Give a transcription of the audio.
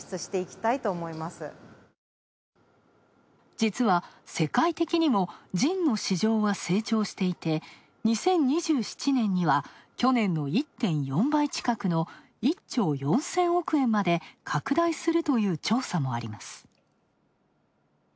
実は世界的にもジンの市場は成長していて、２０２７年には去年の１．４倍近くの１兆４０００億円まで拡大するという調査もあります。